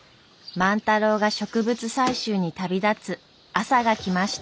万太郎が植物採集に旅立つ朝が来ました。